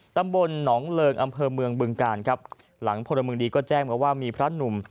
ตำบลหนองเริงอำเภอเมืองบึงกาลครับหลังพลเมืองดีก็แจ้งมาว่ามีพระหนุ่ม